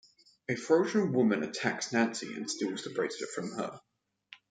A ferocious woman attacks Nancy and steals the bracelet from her.